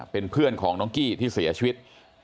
เป็นเพื่อนของน้องกี้ที่เสียชีวิต